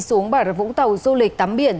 xuống bãi đất vũng tàu du lịch tắm biển